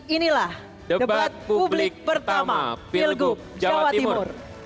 inilah debat publik pertama pilgub jawa timur